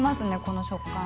この食感。